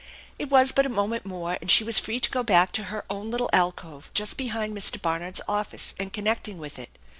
It was but a moment more and she was free to go back to her own little alcove just behind Mr. Barnard's office and connecting with it.